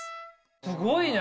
すごいね。